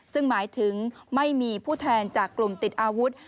ซึ่งหมายถึงไม่มีผู้แทนจากกลุ่มติดอาวุธ